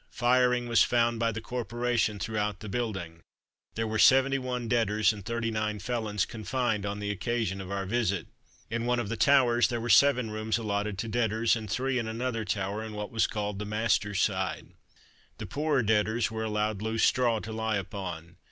Firing was found by the corporation throughout the building. There were seventy one debtors and thirty nine felons confined on the occasion of our visit. In one of the Towers there were seven rooms allotted to debtors, and three in another tower, in what was called "the masters side." The poorer debtors were allowed loose straw to lie upon.